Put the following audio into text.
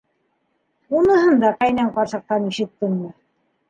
Уныһын да ҡәйнәң ҡарсыҡтан ишеттеңме?